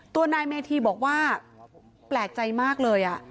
ตัวนายเมธีบอกว่าแปลกใจมากเลย